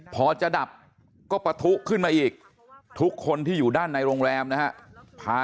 พอจะดับก็ปะทุขึ้นมาอีกทุกคนที่อยู่ด้านในโรงแรมนะฮะ